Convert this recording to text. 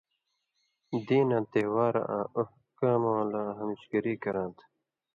دیناں تہوارہ آں احکامؤں لا ہمیشگری کراں تھو۔